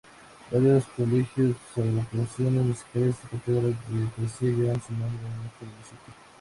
Varios colegios, agrupaciones musicales y cátedras de poesía, llevan su nombre en este Municipio.